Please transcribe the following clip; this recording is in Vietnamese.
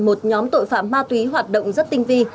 một nhóm tội phạm ma túy hoạt động rất tinh vi